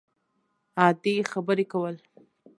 عادي خبرې کول